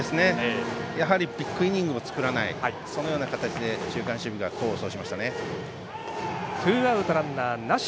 やはりビッグイニングを作らないという形で中間守備が功を奏しましたね。